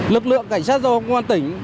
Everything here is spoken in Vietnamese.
lực lượng cảnh sát giao thông hàm tân